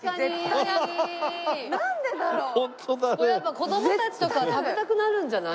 子供たちとかは食べたくなるんじゃない？